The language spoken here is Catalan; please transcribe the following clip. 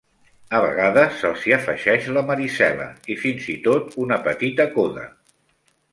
A vegades se'ls hi afegeix la Marisela i fins i tot una petita coda.